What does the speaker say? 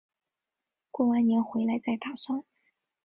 过完年回来再打算